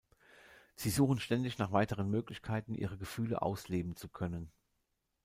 Sie suchen ständig nach weiteren Möglichkeiten, ihre Gefühle ausleben zu können.